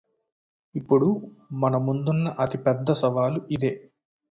ఇప్పుడు మన ముందున్న అతి పెద్ద సవాలు ఇదే